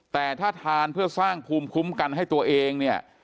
แต่ถ้าทานเพื่อสร้างภูมิคุ้มกันให้ตัวเองเนี่ย